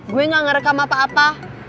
gue gak ngerekam apa apa